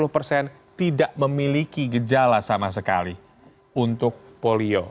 sepuluh persen tidak memiliki gejala sama sekali untuk polio